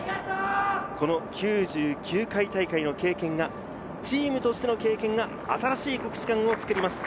９９回大会の経験がチームとしての経験が新しい国士舘を作ります。